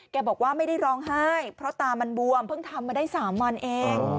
บอกว่าไม่ได้ร้องไห้เพราะตามันบวมเพิ่งทำมาได้๓วันเอง